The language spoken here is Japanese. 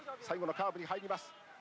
最後のカーブに入ります。